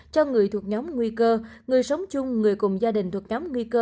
cho người thuộc nhóm nguy cơ người sống chung người cùng gia đình thuộc nhóm nguy cơ